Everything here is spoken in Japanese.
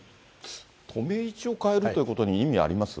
止め位置を変えるということに意味あります？